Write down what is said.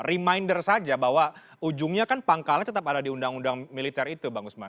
reminder saja bahwa ujungnya kan pangkalnya tetap ada di undang undang militer itu bang usman